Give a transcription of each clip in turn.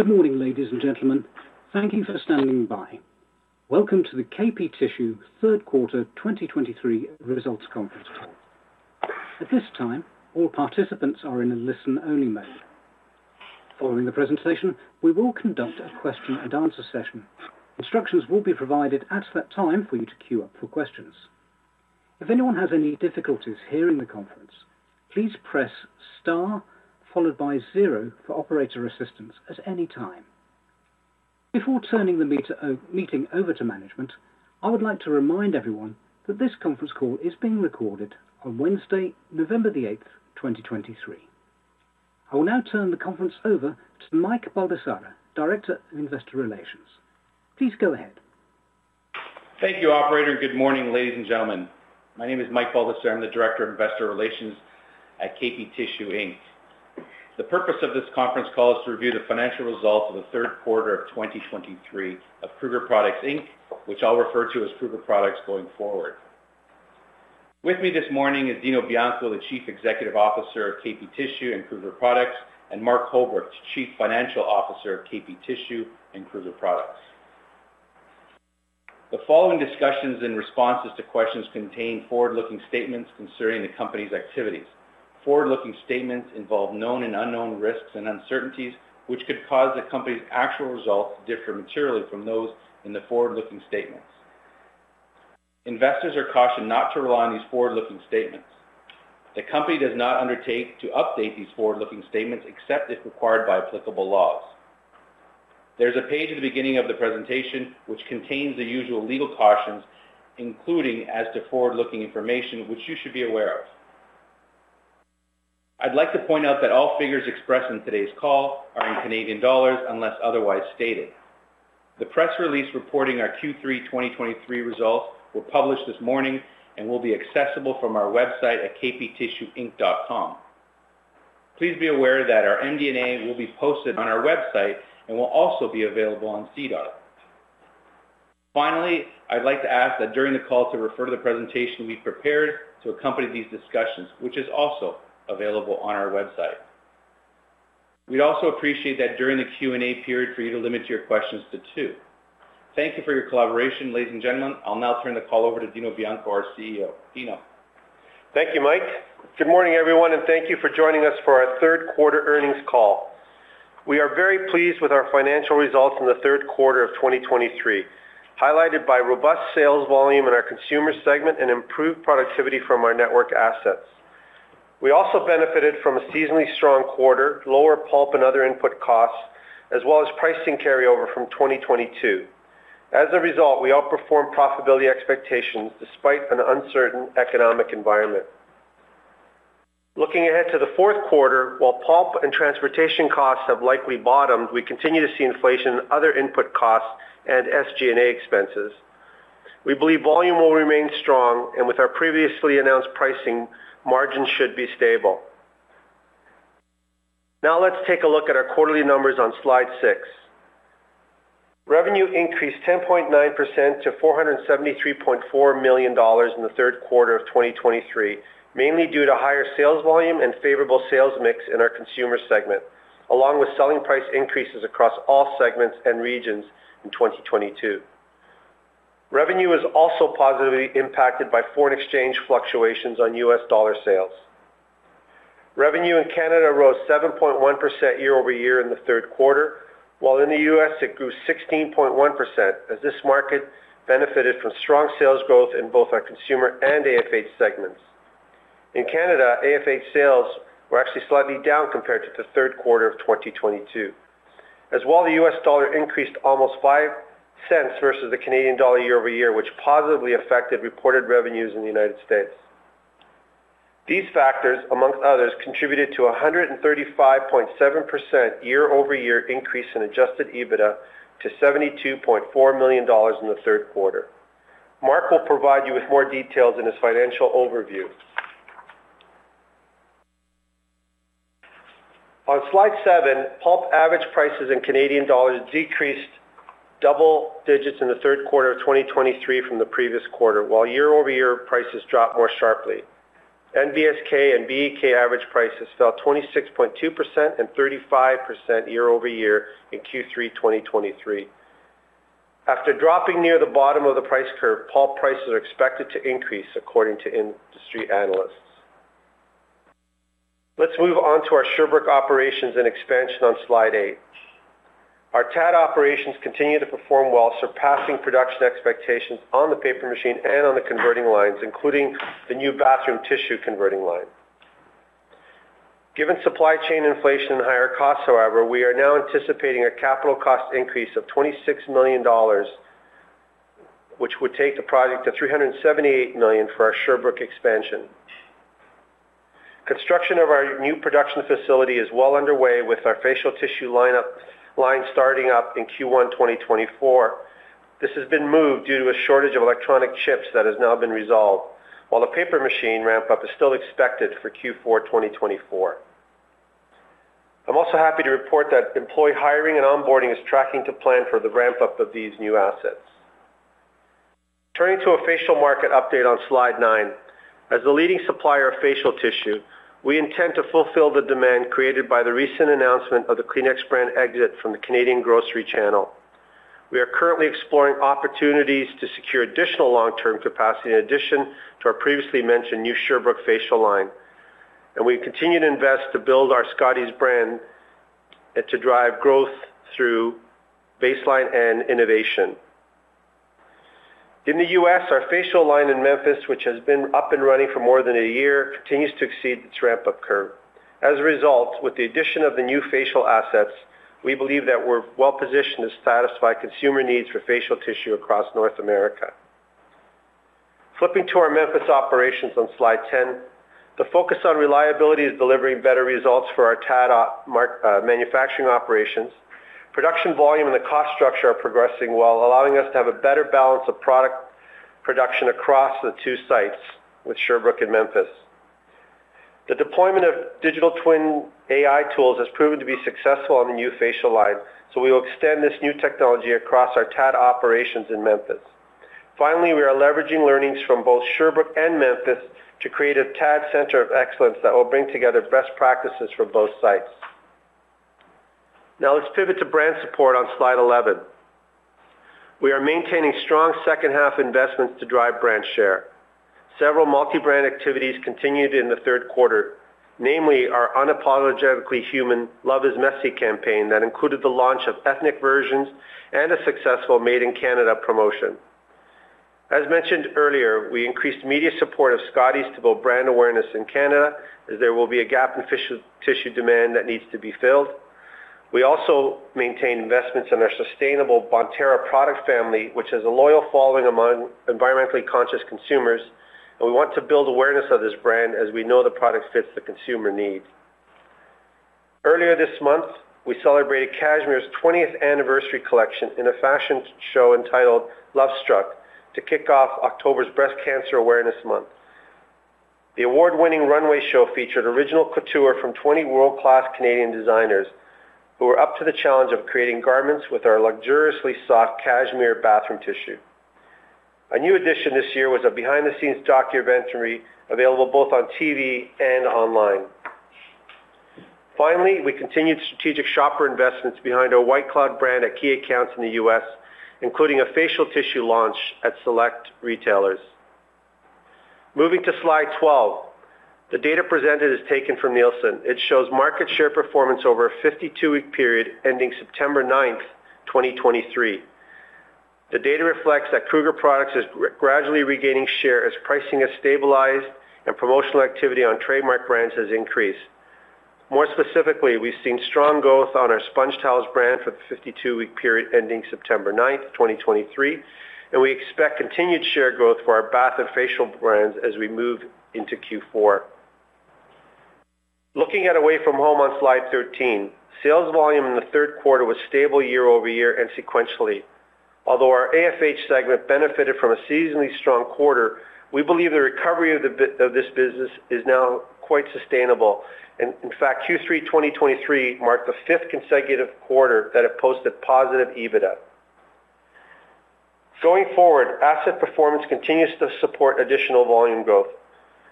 Good morning, ladies and gentlemen. Thank you for standing by. Welcome to the KP Tissue Third Quarter 2023 Results Conference Call. At this time, all participants are in a listen-only mode. Following the presentation, we will conduct a question and answer session. Instructions will be provided at that time for you to queue up for questions. If anyone has any difficulties hearing the conference, please press star followed by zero for operator assistance at any time. Before turning the meeting over to management, I would like to remind everyone that this conference call is being recorded on Wednesday, November 8, 2023. I will now turn the conference over to Mike Baldesarra, Director of Investor Relations. Please go ahead. Thank you, operator. Good morning, ladies and gentlemen. My name is Mike Baldesarra. I'm the Director of Investor Relations at KP Tissue Inc. The purpose of this conference call is to review the financial results of the third quarter of 2023 of Kruger Products Inc., which I'll refer to as Kruger Products going forward. With me this morning is Dino Bianco, the Chief Executive Officer of KP Tissue and Kruger Products, and Mark Holbrook, Chief Financial Officer of KP Tissue and Kruger Products. The following discussions and responses to questions contain forward-looking statements concerning the company's activities. Forward-looking statements involve known and unknown risks and uncertainties, which could cause the company's actual results to differ materially from those in the forward-looking statements. Investors are cautioned not to rely on these forward-looking statements. The company does not undertake to update these forward-looking statements, except if required by applicable laws. There's a page at the beginning of the presentation, which contains the usual legal cautions, including as to forward-looking information, which you should be aware of. I'd like to point out that all figures expressed in today's call are in Canadian dollars, unless otherwise stated. The press release reporting our Q3 2023 results were published this morning and will be accessible from our website at kptissueinc.com. Please be aware that our MD&A will be posted on our website and will also be available on SEDAR. Finally, I'd like to ask that during the call to refer to the presentation we prepared to accompany these discussions, which is also available on our website. We'd also appreciate that during the Q&A period for you to limit your questions to two. Thank you for your collaboration, ladies and gentlemen. I'll now turn the call over to Dino Bianco, our CEO. Dino? Thank you, Mike. Good morning everyone, and thank you for joining us for our third quarter earnings call. We are very pleased with our financial results in the third quarter of 2023, highlighted by robust sales volume in our consumer segment and improved productivity from our network assets. We also benefited from a seasonally strong quarter, lower pulp and other input costs, as well as pricing carryover from 2022. As a result, we outperformed profitability expectations despite an uncertain economic environment. Looking ahead to the fourth quarter, while pulp and transportation costs have likely bottomed, we continue to see inflation in other input costs and SG&A expenses. We believe volume will remain strong, and with our previously announced pricing, margins should be stable. Now, let's take a look at our quarterly numbers on slide six. Revenue increased 10.9% to 473.4 million dollars in the third quarter of 2023, mainly due to higher sales volume and favorable sales mix in our consumer segment, along with selling price increases across all segments and regions in 2022. Revenue is also positively impacted by foreign exchange fluctuations on US dollar sales. Revenue in Canada rose 7.1% year-over-year in the third quarter, while in the U.S., it grew 16.1%, as this market benefited from strong sales growth in both our consumer and AFH segments. In Canada, AFH sales were actually slightly down compared to the third quarter of 2022. As well, the US dollar increased almost 0.05 versus the Canadian dollar year-over-year, which positively affected reported revenues in the United States. These factors, among others, contributed to a 135.7% year-over-year increase in Adjusted EBITDA to 72.4 million dollars in the third quarter. Mark will provide you with more details in his financial overview. On slide seven, pulp average prices in Canadian dollars decreased double digits in the third quarter of 2023 from the previous quarter, while year-over-year, prices dropped more sharply. NBSK and BEK average prices fell 26.2% and 35% year-over-year in Q3 2023. After dropping near the bottom of the price curve, pulp prices are expected to increase, according to industry analysts. Let's move on to our Sherbrooke operations and expansion on slide eight. Our TAD operations continue to perform well, surpassing production expectations on the paper machine and on the converting lines, including the new bathroom tissue converting line. Given supply chain inflation and higher costs, however, we are now anticipating a capital cost increase of 26 million dollars, which would take the project to 378 million for our Sherbrooke expansion. Construction of our new production facility is well underway, with our facial tissue line starting up in Q1 2024. This has been moved due to a shortage of electronic chips that has now been resolved, while the paper machine ramp-up is still expected for Q4 2024. I'm also happy to report that employee hiring and onboarding is tracking to plan for the ramp-up of these new assets. Turning to a facial market update on slide nine. As the leading supplier of facial tissue, we intend to fulfill the demand created by the recent announcement of the Kleenex brand exit from the Canadian grocery channel. We are currently exploring opportunities to secure additional long-term capacity in addition to our previously mentioned new Sherbrooke facial line, and we continue to invest to build our Scotties brand and to drive growth through baseline and innovation. In the U.S., our facial line in Memphis, which has been up and running for more than a year, continues to exceed its ramp-up curve. As a result, with the addition of the new facial assets, we believe that we're well positioned to satisfy consumer needs for facial tissue across North America. Flipping to our Memphis operations on slide 10, the focus on reliability is delivering better results for our TAD machine manufacturing operations. Production volume and the cost structure are progressing well, allowing us to have a better balance of product production across the two sites with Sherbrooke and Memphis. The deployment of Digital Twin AI tools has proven to be successful on the new facial line, so we will extend this new technology across our TAD operations in Memphis. Finally, we are leveraging learnings from both Sherbrooke and Memphis to create a TAD center of excellence that will bring together best practices from both sites. Now, let's pivot to brand support on slide 11. We are maintaining strong second-half investments to drive brand share. Several multi-brand activities continued in the third quarter, namely our unapologetically human Love Is Messy campaign that included the launch of ethnic versions and a successful Made in Canada promotion. As mentioned earlier, we increased media support of Scotties to build brand awareness in Canada, as there will be a gap in facial tissue demand that needs to be filled. We also maintain investments in our sustainable Bonterra product family, which has a loyal following among environmentally conscious consumers, and we want to build awareness of this brand as we know the product fits the consumer needs. Earlier this month, we celebrated Cashmere's 20th anniversary collection in a fashion show entitled Lovestruck, to kick off October's Breast Cancer Awareness Month. The award-winning runway show featured original couture from 20 world-class Canadian designers, who were up to the challenge of creating garments with our luxuriously soft Cashmere bathroom tissue. A new addition this year was a behind-the-scenes documentary available both on TV and online. Finally, we continued strategic shopper investments behind our White Cloud brand at key accounts in the U.S., including a facial tissue launch at select retailers. Moving to slide 12, the data presented is taken from Nielsen. It shows market share performance over a 52-week period ending September 9, 2023. The data reflects that Kruger Products is gradually regaining share as pricing has stabilized and promotional activity on trademark brands has increased. More specifically, we've seen strong growth on our SpongeTowels brand for the 52-week period ending September 9, 2023, and we expect continued share growth for our bath and facial brands as we move into Q4. Looking at Away-From-Home on slide 13, sales volume in the third quarter was stable year-over-year and sequentially. Although our AFH segment benefited from a seasonally strong quarter, we believe the recovery of this business is now quite sustainable, and in fact, Q3 2023 marked the fifth consecutive quarter that it posted positive EBITDA. Going forward, asset performance continues to support additional volume growth.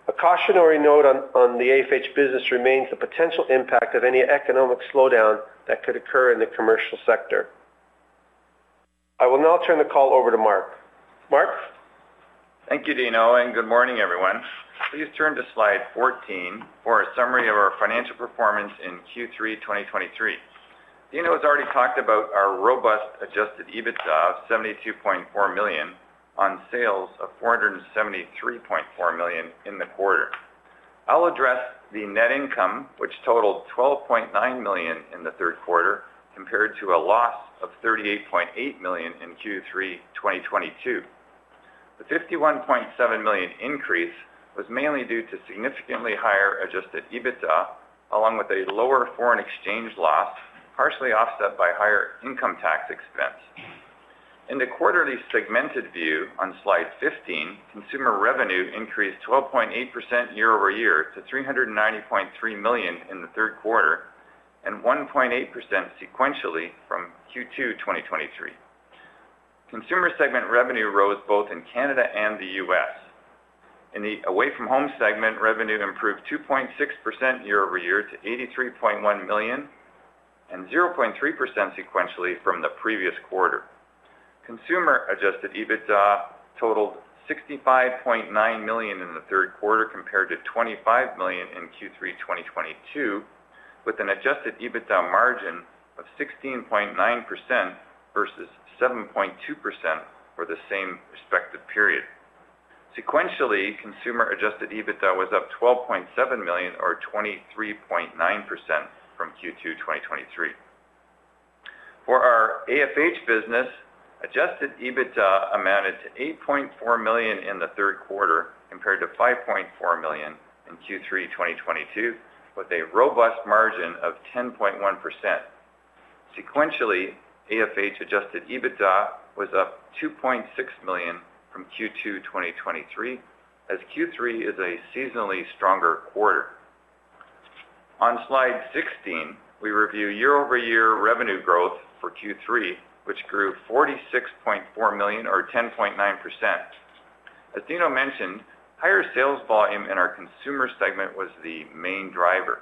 A cautionary note on the AFH business remains the potential impact of any economic slowdown that could occur in the commercial sector. I will now turn the call over to Mark. Mark? Thank you, Dino, and good morning, everyone. Please turn to slide 14 for a summary of our financial performance in Q3 2023. Dino has already talked about our robust Adjusted EBITDA of 72.4 million on sales of 473.4 million in the quarter. I'll address the net income, which totaled 12.9 million in the third quarter, compared to a loss of 38.8 million in Q3 2022. The 51.7 million increase was mainly due to significantly higher Adjusted EBITDA, along with a lower foreign exchange loss, partially offset by higher income tax expense. In the quarterly segmented view on slide 15, consumer revenue increased 12.8% year-over-year to 390.3 million in the third quarter, and 1.8% sequentially from Q2 2023. Consumer segment revenue rose both in Canada and the U.S. Away-From-Home segment, revenue improved 2.6% year-over-year to 83.1 million and 0.3% sequentially from the previous quarter. Consumer Adjusted EBITDA totaled 65.9 million in the third quarter, compared to 25 million in Q3 2022, with an Adjusted EBITDA margin of 16.9% versus 7.2% for the same respective period. Sequentially, consumer Adjusted EBITDA was up 12.7 million, or 23.9% from Q2 2023. For our AFH business, Adjusted EBITDA amounted to 8.4 million in the third quarter, compared to 5.4 million in Q3 2022, with a robust margin of 10.1%. Sequentially, AFH Adjusted EBITDA was up 2.6 million from Q2 2023, as Q3 is a seasonally stronger quarter. On slide 16, we review year-over-year revenue growth for Q3, which grew 46.4 million or 10.9%. As Dino mentioned, higher sales volume in our consumer segment was the main driver.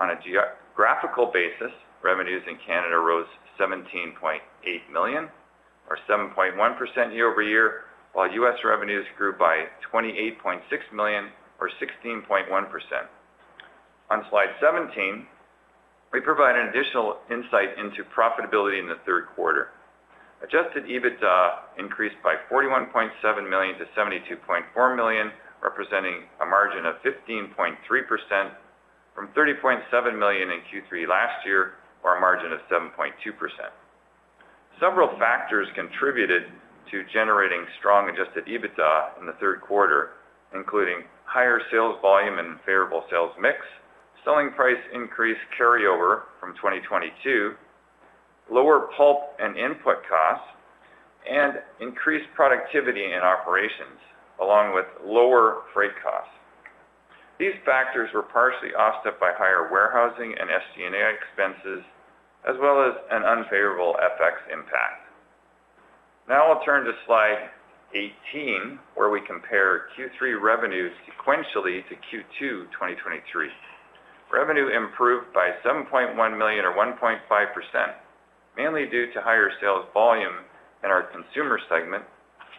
On a geographical basis, revenues in Canada rose 17.8 million, or 7.1% year-over-year, while U.S. revenues grew by 28.6 million, or 16.1%. On slide 17, we provide an additional insight into profitability in the third quarter. Adjusted EBITDA increased by 41.7 million to 72.4 million, representing a margin of 15.3%, from 30.7 million in Q3 last year, or a margin of 7.2%. Several factors contributed to generating strong Adjusted EBITDA in the third quarter, including higher sales volume and favorable sales mix, selling price increase carryover from 2022, lower pulp and input costs, and increased productivity in operations, along with lower freight costs. These factors were partially offset by higher warehousing and SG&A expenses, as well as an unfavorable FX impact. Now I'll turn to slide 18, where we compare Q3 revenues sequentially to Q2 2023. Revenue improved by 7.1 million, or 1.5%, mainly due to higher sales volume in our consumer segment,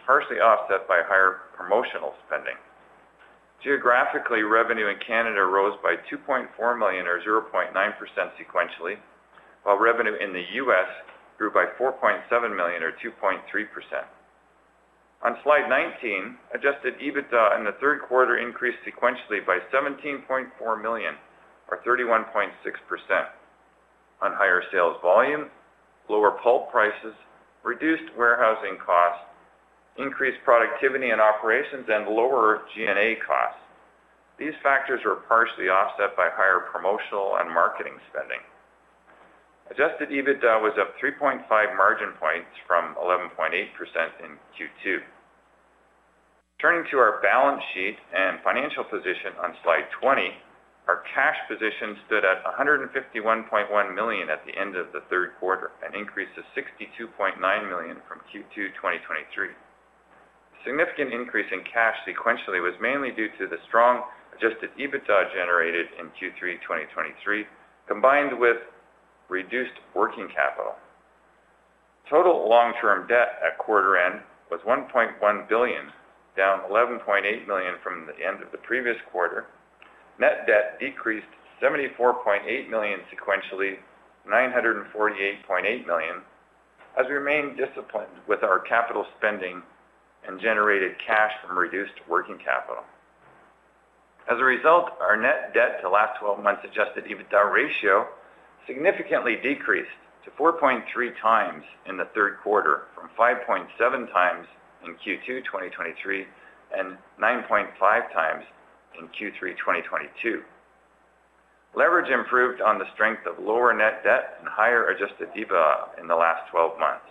partially offset by higher promotional spending. Geographically, revenue in Canada rose by 2.4 million, or 0.9% sequentially, while revenue in the U.S. grew by 4.7 million, or 2.3%. On slide 19, Adjusted EBITDA in the third quarter increased sequentially by 17.4 million, or 31.6%, on higher sales volume, lower pulp prices, reduced warehousing costs, increased productivity in operations, and lower G&A costs. These factors were partially offset by higher promotional and marketing spending. Adjusted EBITDA was up 3.5 margin points from 11.8% in Q2. Turning to our balance sheet and financial position on slide 20, our cash position stood at 151.1 million at the end of the third quarter, an increase of 62.9 million from Q2 2023. Significant increase in cash sequentially was mainly due to the strong Adjusted EBITDA generated in Q3 2023, combined with reduced working capital. Total long-term debt at quarter end was 1.1 billion, down 11.8 million from the end of the previous quarter. Net debt decreased 74.8 million sequentially, 948.8 million, as we remained disciplined with our capital spending and generated cash from reduced working capital. As a result, our net debt to last twelve months Adjusted EBITDA ratio significantly decreased to 4.3x in the third quarter, from 5.7x in Q2 2023, and 9.5x in Q3 2022. Leverage improved on the strength of lower net debt and higher Adjusted EBITDA in the last twelve months.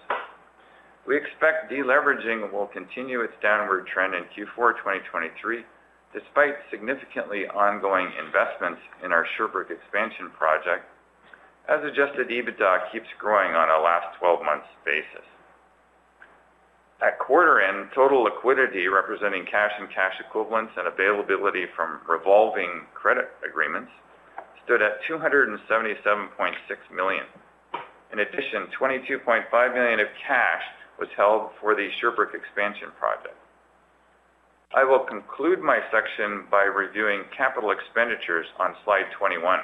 We expect deleveraging will continue its downward trend in Q4 2023, despite significantly ongoing investments in our Sherbrooke expansion project, as Adjusted EBITDA keeps growing on a last twelve months basis. At quarter end, total liquidity, representing cash and cash equivalents and availability from revolving credit agreements, stood at 277.6 million. In addition, 22.5 million of cash was held for the Sherbrooke expansion project. I will conclude my section by reviewing capital expenditures on slide 21.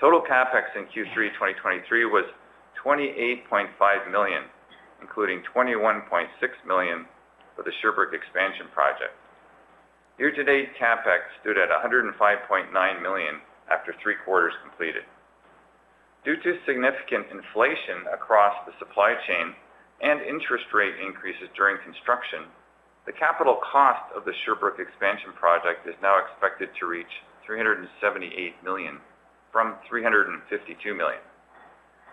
Total CapEx in Q3 2023 was 28.5 million, including 21.6 million for the Sherbrooke expansion project. Year-to-date, CapEx stood at 105.9 million after three quarters completed. Due to significant inflation across the supply chain and interest rate increases during construction, the capital cost of the Sherbrooke expansion project is now expected to reach 378 million, from 352 million.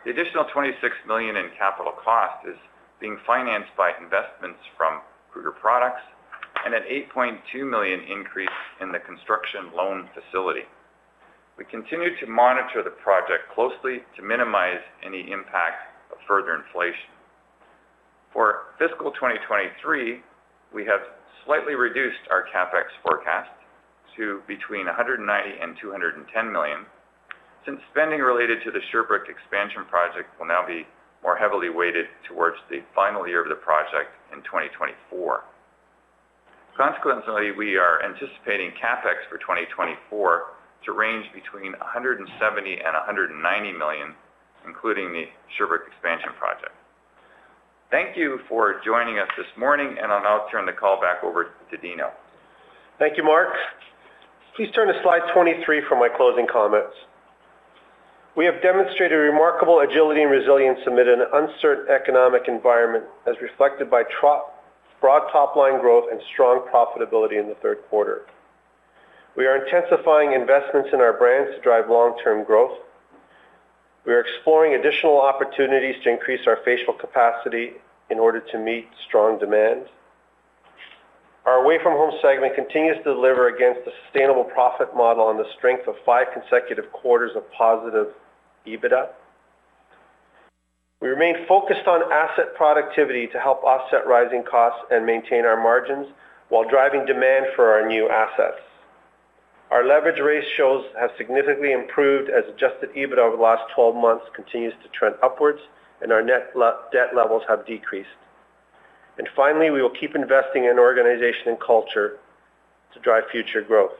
The additional 26 million in capital cost is being financed by investments from Kruger Products and a 8.2 million increase in the construction loan facility. We continue to monitor the project closely to minimize any impact of further inflation. For fiscal 2023, we have slightly reduced our CapEx forecast to between 190 million and 210 million, since spending related to the Sherbrooke expansion project will now be more heavily weighted towards the final year of the project in 2024. Consequently, we are anticipating CapEx for 2024 to range between 170 million and 190 million, including the Sherbrooke expansion project. Thank you for joining us this morning, and I'll now turn the call back over to Dino. Thank you, Mark. Please turn to slide 23 for my closing comments. We have demonstrated remarkable agility and resilience amid an uncertain economic environment, as reflected by broad top-line growth and strong profitability in the third quarter. We are intensifying investments in our brands to drive long-term growth. We are exploring additional opportunities to increase our facial capacity in order to meet strong Away-From-Home segment continues to deliver against a sustainable profit model on the strength of five consecutive quarters of positive EBITDA. We remain focused on asset productivity to help offset rising costs and maintain our margins while driving demand for our new assets. Our leverage ratio has significantly improved as Adjusted EBITDA over the last 12 months continues to trend upwards, and our net debt levels have decreased. Finally, we will keep investing in organization and culture to drive future growth.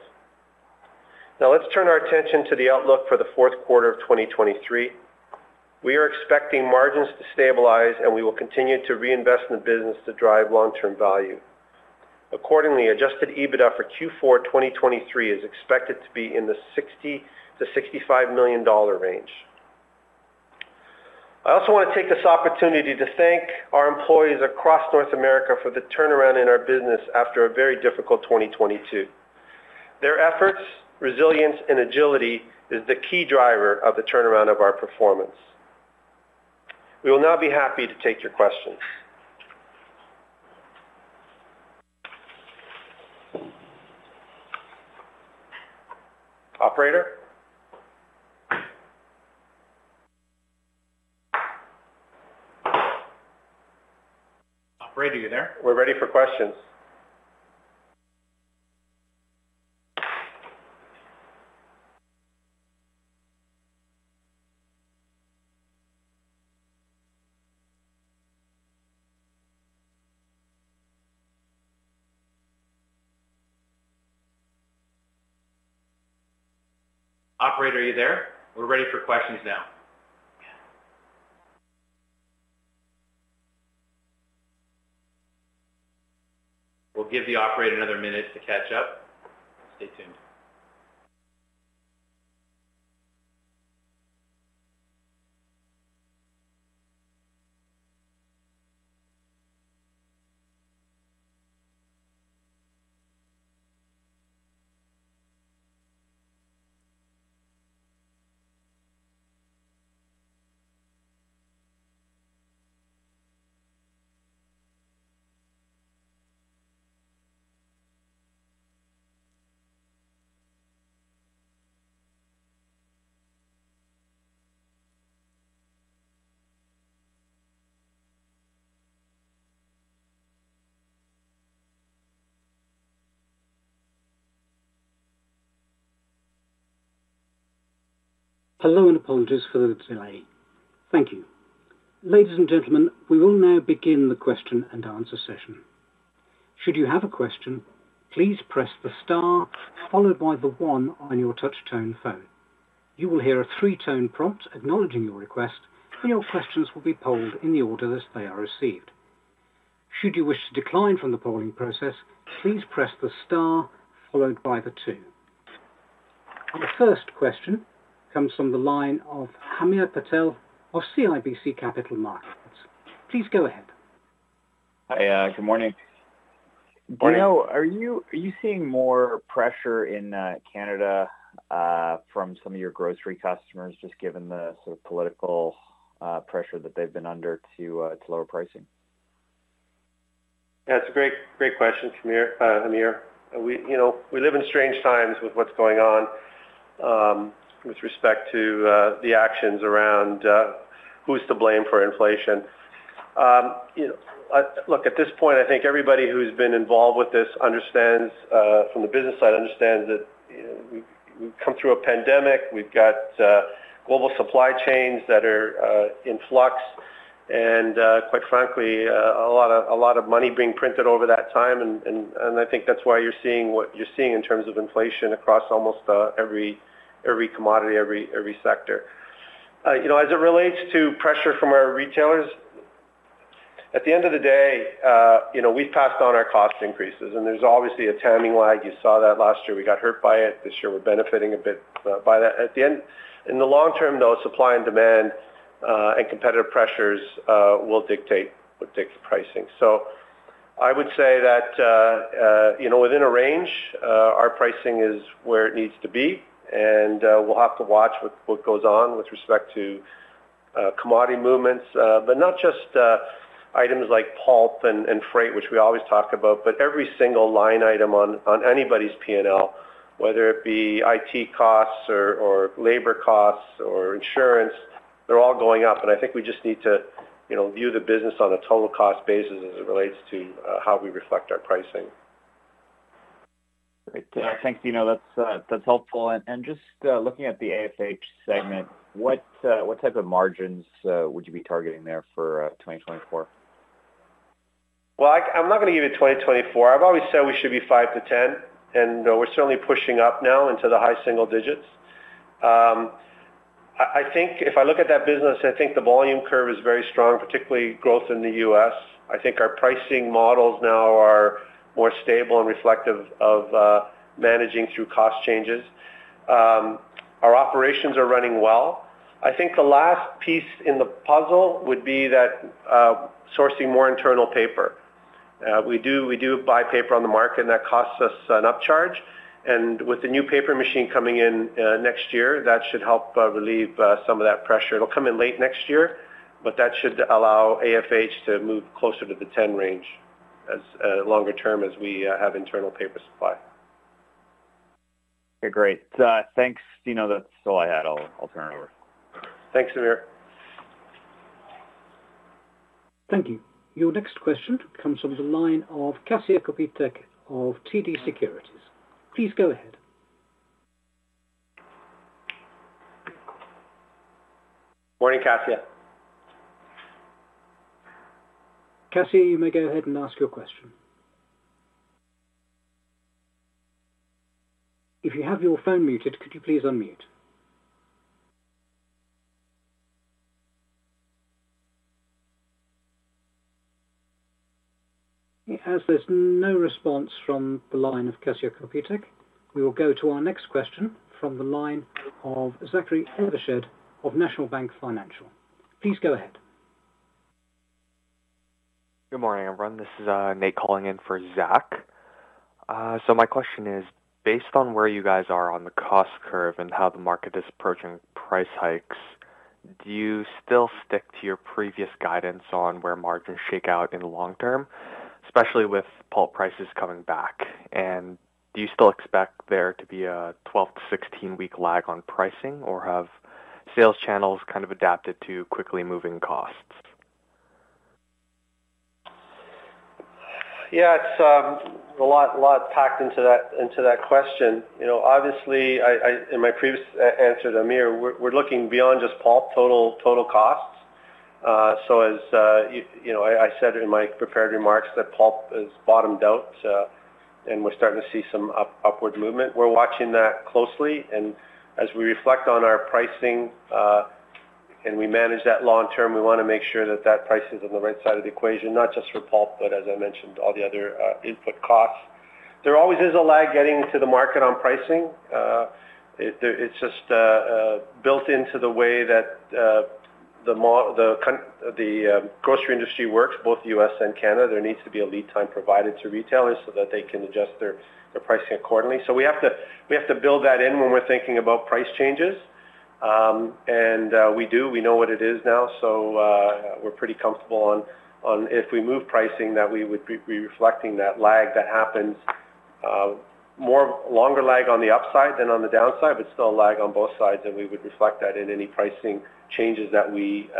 Now, let's turn our attention to the outlook for the fourth quarter of 2023. We are expecting margins to stabilize, and we will continue to reinvest in the business to drive long-term value. Accordingly, Adjusted EBITDA for Q4 2023 is expected to be in the 60 million-65 million dollar range. I also want to take this opportunity to thank our employees across North America for the turnaround in our business after a very difficult 2022. Their efforts, resilience, and agility is the key driver of the turnaround of our performance. We will now be happy to take your questions. Operator? Operator, are you there? We're ready for questions. Operator, are you there? We're ready for questions now. We'll give the operator another minute to catch up. Stay tuned. Hello, and apologies for the delay. Thank you. Ladies and gentlemen, we will now begin the question and answer session. Should you have a question, please press the star followed by the one on your touch tone phone. You will hear a three-tone prompt acknowledging your request, and your questions will be polled in the order that they are received. Should you wish to decline from the polling process, please press the star followed by the two. Our first question comes from the line of Hamir Patel of CIBC Capital Markets. Please go ahead. Hi, good morning. Morning. Are you seeing more pressure in Canada from some of your grocery customers, just given the sort of political pressure that they've been under to lower pricing? That's a great, great question, Hamir. We, you know, we live in strange times with what's going on with respect to the actions around who's to blame for inflation. You know, look, at this point, I think everybody who's been involved with this understands from the business side that, you know, we've come through a pandemic. We've got global supply chains that are in flux, and quite frankly a lot of money being printed over that time, and I think that's why you're seeing what you're seeing in terms of inflation across almost every commodity, every sector. You know, as it relates to pressure from our retailers, at the end of the day, you know, we've passed on our cost increases, and there's obviously a timing lag. You saw that last year, we got hurt by it. This year, we're benefiting a bit by that. At the end, in the long-term, though, supply and demand and competitive pressures will dictate, will dictate the pricing. So I would say that you know, within a range, our pricing is where it needs to be, and we'll have to watch what what goes on with respect to commodity movements, but not just items like pulp and and freight, which we always talk about, but every single line item on on anybody's P&L, whether it be IT costs or or labor costs or insurance, they're all going up, and I think we just need to you know, view the business on a total cost basis as it relates to how we reflect our pricing. Great. Thanks, Dino. That's helpful. And just looking at the AFH segment, what type of margins would you be targeting there for 2024? Well, I'm not going to give you 2024. I've always said we should be 5%-10%, and we're certainly pushing up now into the high single digits. I think if I look at that business, I think the volume curve is very strong, particularly growth in the U.S. I think our pricing models now are more stable and reflective of managing through cost changes. Our operations are running well. I think the last piece in the puzzle would be that sourcing more internal paper. We do buy paper on the market, and that costs us an upcharge. And with the new paper machine coming in next year, that should help relieve some of that pressure. It'll come in late next year, but that should allow AFH to move closer to the 10% range as, longer term, as we have internal paper supply. Okay, great. Thanks, Dino. That's all I had. I'll turn it over. Thanks, Hamir. Thank you. Your next question comes from the line of Kasia Kopytek of TD Securities. Please go ahead. Morning, Kasia. Kasia, you may go ahead and ask your question. If you have your phone muted, could you please unmute? As there's no response from the line of Kasia Kopytek, we will go to our next question from the line of Zachary Evershed of National Bank Financial. Please go ahead. Good morning, everyone. This is Nate calling in for Zach. So my question is, based on where you guys are on the cost curve and how the market is approaching price hikes, do you still stick to your previous guidance on where margins shake out in the long-term, especially with pulp prices coming back? And do you still expect there to be a 12-16 week lag on pricing, or have sales channels kind of adapted to quickly moving costs? Yeah, it's a lot packed into that question. You know, obviously, in my previous answer to Hamir, we're looking beyond just pulp total costs. So as you know, I said in my prepared remarks that pulp has bottomed out, and we're starting to see some upward movement. We're watching that closely, and as we reflect on our pricing, and we manage that long-term, we want to make sure that that price is on the right side of the equation, not just for pulp, but as I mentioned, all the other input costs. There always is a lag getting to the market on pricing. It's just built into the way that the market, the consumer, the grocery industry works, both U.S. and Canada. There needs to be a lead time provided to retailers so that they can adjust their pricing accordingly. So we have to build that in when we're thinking about price changes. And we know what it is now, so we're pretty comfortable on if we move pricing, that we would be reflecting that lag that happens, more longer lag on the upside than on the downside, but still a lag on both sides, and we would reflect that in any pricing changes that we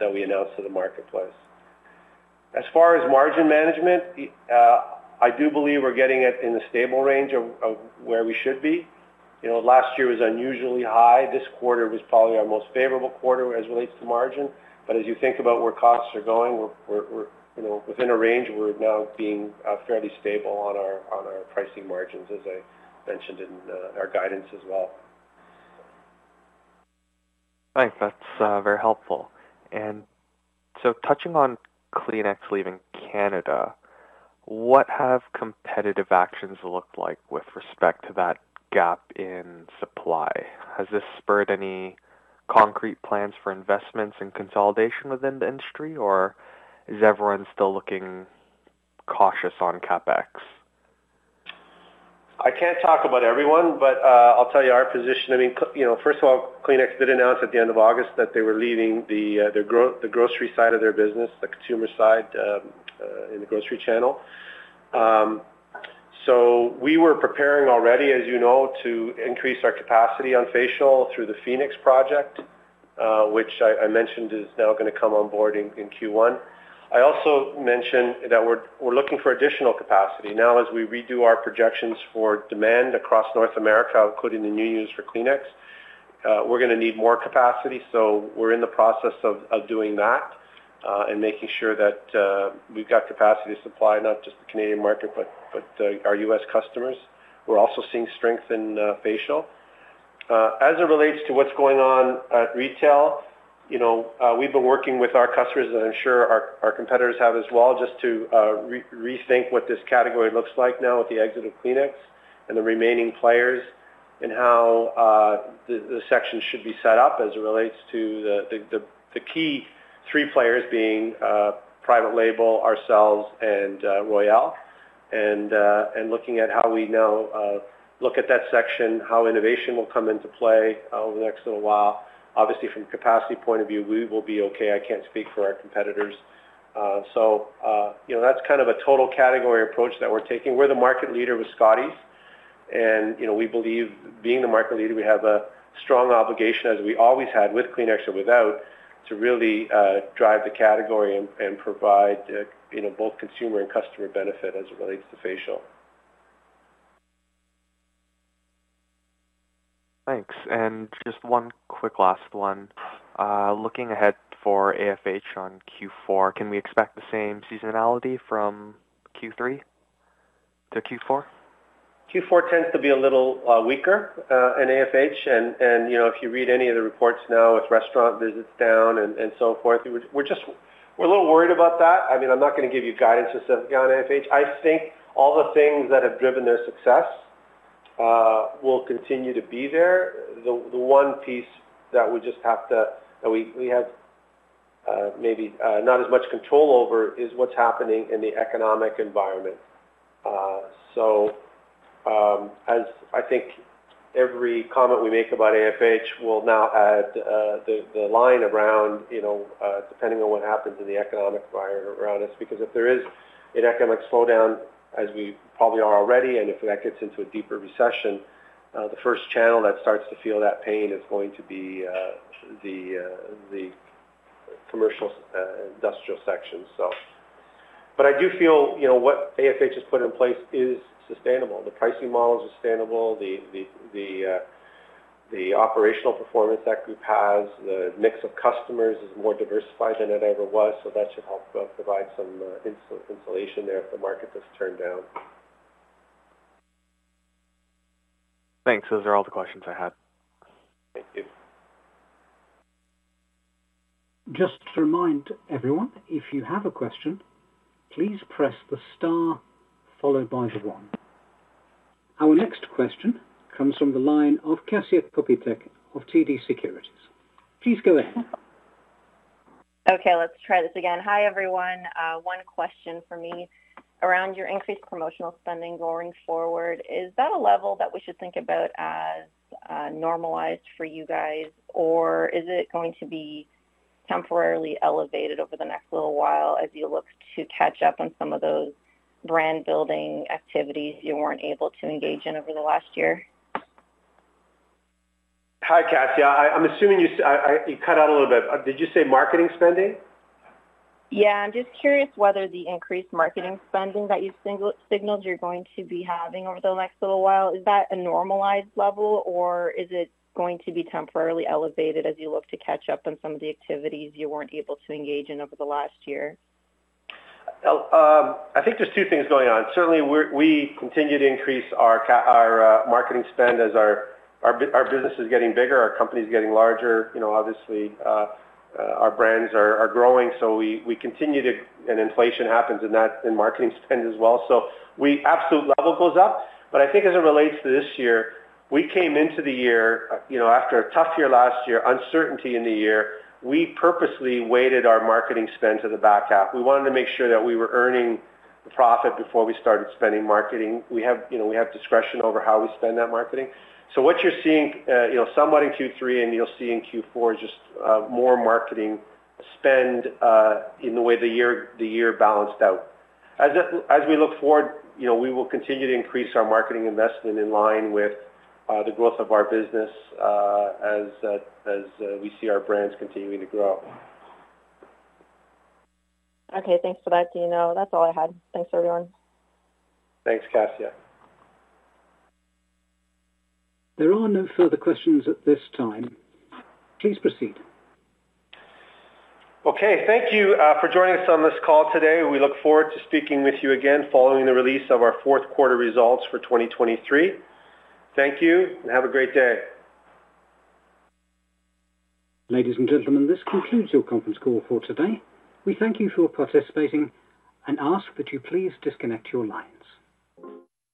announce to the marketplace. As far as margin management, I do believe we're getting it in a stable range of where we should be. You know, last year was unusually high. This quarter was probably our most favorable quarter as it relates to margin. As you think about where costs are going, we're, you know, within a range. We're now being fairly stable on our pricing margins, as I mentioned in our guidance as well. Thanks. That's very helpful. And so touching on Kleenex leaving Canada, what have competitive actions looked like with respect to that gap in supply? Has this spurred any concrete plans for investments and consolidation within the industry, or is everyone still looking cautious on CapEx? I can't talk about everyone, but I'll tell you our position. I mean, you know, first of all, Kleenex did announce at the end of August that they were leaving the, the grocery side of their business, the consumer side, in the grocery channel. So we were preparing already, as you know, to increase our capacity on facial through the PHOENIX Project, which I mentioned is now gonna come on board in Q1. I also mentioned that we're looking for additional capacity. Now, as we redo our projections for demand across North America, including the new use for Kleenex, we're gonna need more capacity, so we're in the process of doing that, and making sure that we've got capacity to supply not just the Canadian market, but our U.S. customers. We're also seeing strength in facial. As it relates to what's going on at retail, you know, we've been working with our customers, and I'm sure our competitors have as well, just to rethink what this category looks like now with the exit of Kleenex and the remaining players, and how the section should be set up as it relates to the key three players being private label, ourselves, and Royale. And looking at how we now look at that section, how innovation will come into play over the next little while. Obviously, from a capacity point of view, we will be okay. I can't speak for our competitors. So, you know, that's kind of a total category approach that we're taking. We're the market leader with Scotties, and, you know, we believe being the market leader, we have a strong obligation, as we always had with Kleenex or without, to really, drive the category and, and provide, you know, both consumer and customer benefit as it relates to facial. Thanks. And just one quick last one. Looking ahead for AFH on Q4, can we expect the same seasonality from Q3 to Q4? Q4 tends to be a little weaker in AFH. And you know, if you read any of the reports now, with restaurant visits down and so forth, we're just, we're a little worried about that. I mean, I'm not gonna give you guidance specifically on AFH. I think all the things that have driven their success will continue to be there. The one piece that we just have to, that we have maybe not as much control over, is what's happening in the economic environment. As I think every comment we make about AFH will now add the line around, you know, depending on what happens in the economic environment around us, because if there is an economic slowdown, as we probably are already, and if that gets into a deeper recession, the first channel that starts to feel that pain is going to be the commercial industrial section. But I do feel, you know, what AFH has put in place is sustainable. The pricing model is sustainable, the operational performance that group has, the mix of customers is more diversified than it ever was, so that should help provide some insulation there if the market does turn down. Thanks. Those are all the questions I had. Thank you. Just to remind everyone, if you have a question, please press the star followed by the one. Our next question comes from the line of Kasia Kopytek of TD Securities. Please go ahead. Okay, let's try this again. Hi everyone. One question for me. Around your increased promotional spending going forward, is that a level that we should think about as normalized for you guys? Or is it going to be temporarily elevated over the next little while as you look to catch up on some of those brand-building activities you weren't able to engage in over the last year? Hi, Kasia. I'm assuming you, you cut out a little bit. Did you say marketing spending? Yeah. I'm just curious whether the increased marketing spending that you signaled you're going to be having over the next little while, is that a normalized level, or is it going to be temporarily elevated as you look to catch up on some of the activities you weren't able to engage in over the last year? Well, I think there's two things going on. Certainly, we continue to increase our marketing spend as our business is getting bigger, our company is getting larger. You know, obviously, our brands are growing, so we continue to and inflation happens in that, in marketing spend as well. So the absolute level goes up. But I think as it relates to this year, we came into the year, you know, after a tough year last year, uncertainty in the year, we purposely weighted our marketing spend to the back half. We wanted to make sure that we were earning profit before we started spending marketing. You know, we have discretion over how we spend that marketing. So what you're seeing, you know, somewhat in Q3 and you'll see in Q4, is just more marketing spend in the way the year balanced out. As we look forward, you know, we will continue to increase our marketing investment in line with the growth of our business, as we see our brands continuing to grow. Okay, thanks for that, Dino. That's all I had. Thanks, everyone. Thanks, Kasia. There are no further questions at this time. Please proceed. Okay. Thank you, for joining us on this call today. We look forward to speaking with you again following the release of our fourth quarter results for 2023. Thank you, and have a great day. Ladies and gentlemen, this concludes your conference call for today. We thank you for participating and ask that you please disconnect your lines.